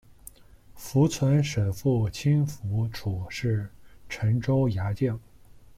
符存审父亲符楚是陈州牙将。